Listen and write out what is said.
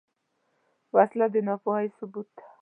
وسله د ناپوهۍ ثبوت ده